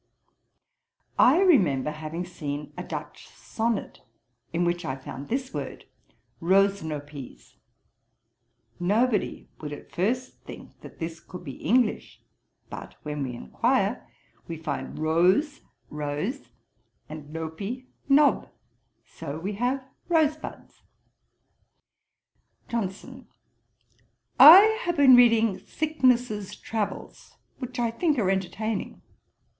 'I remember having seen a Dutch Sonnet, in which I found this word, roesnopies. Nobody would at first think that this could be English; but, when we enquire, we find roes, rose, and nopie, knob; so we have rosebuds'. JOHNSON. 'I have been reading Thicknesse's Travels, which I think are entertaining.'